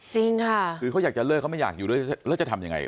จริงค่ะคือเขาอยากจะเลิกเขาไม่อยากอยู่ด้วยแล้วจะทำยังไง